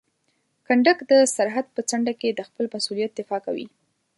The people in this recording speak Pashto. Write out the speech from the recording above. کنډک د سرحد په څنډه کې د خپل مسؤلیت دفاع کوي.